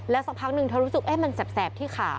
แล้วสักครั้งนึงเธอรู้สึกเอ๊ะมันแสบที่ขา